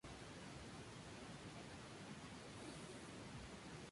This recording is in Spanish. En Vizcaya ocurrió lo mismo.